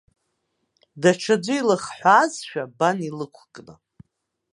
Даҽаӡәы илыхҳәаазшәа, бан илықәкны.